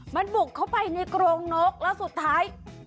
มันบุกเข้าไปในกรงนกแล้วสุดท้าย